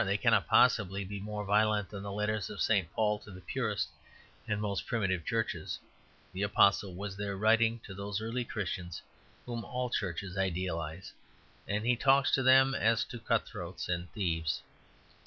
They cannot possibly be more violent than the letters of St. Paul to the purest and most primitive churches; the apostle was there writing to those Early Christians whom all churches idealize; and he talks to them as to cut throats and thieves.